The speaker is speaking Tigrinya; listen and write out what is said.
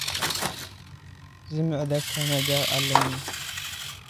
ዝምዕደካ ነገር ኣለኒ።